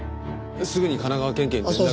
すぐに神奈川県警に連絡。